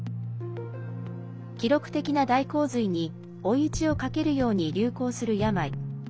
記録的な大洪水に追い打ちをかけるように流行する病。